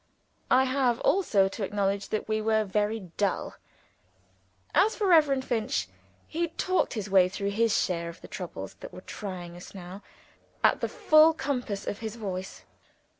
I have also to acknowledge that we were very dull. As for Reverend Finch, he talked his way through his share of the troubles that were trying us now, at the full compass of his voice.